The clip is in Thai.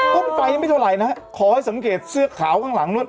ต้นไฟยังไม่เท่าไหร่นะฮะขอให้สังเกตเสื้อขาวข้างหลังนู้น